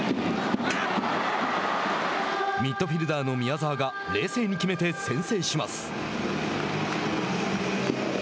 ミッドフィルダーの宮澤が冷静に決めて先制します。